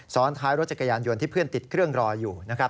ซ้อนท้ายรถจักรยานยนต์ที่เพื่อนติดเครื่องรออยู่นะครับ